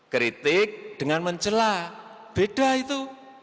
kritik dengan mencelah beda itu